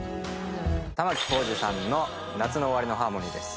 玉置浩二さんの『夏の終りのハーモニー』です。